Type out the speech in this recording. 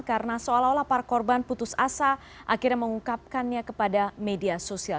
karena seolah olah par korban putus asa akhirnya mengungkapkannya kepada media sosial